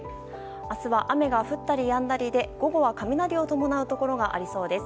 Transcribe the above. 明日は雨が降ったりやんだりで午後は雷を伴うところがありそうです。